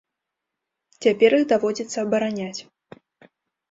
Цяпер іх даводзіцца абараняць.